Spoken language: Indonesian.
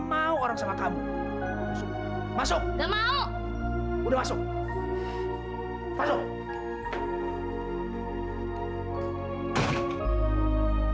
mau orang sama kamu masuk udah masuk masuk